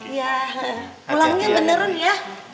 iya pulangnya beneran ya